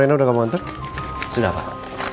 eh andin kita ngomong sebentar yuk di luar